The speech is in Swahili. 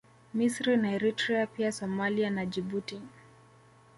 Misri na Eritrea pia Somalia na Djibouti